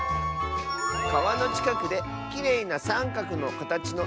「かわのちかくできれいなさんかくのかたちのいしをみつけた！」。